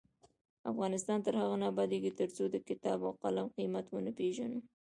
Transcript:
افغانستان تر هغو نه ابادیږي، ترڅو د کتاب او قلم قیمت ونه پیژنو.